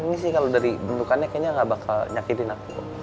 ini sih kalau dari bentukannya kayaknya nggak bakal nyakirin aku